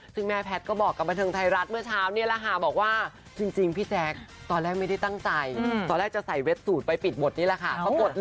ซึ่งเหมือนเรซิ่งจะได้ยินเราเรียกนะคะ